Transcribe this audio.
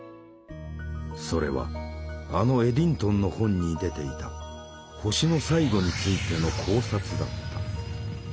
それはあのエディントンの本に出ていた「星の最後」についての考察だった。